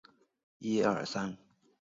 出生于巴塞罗那。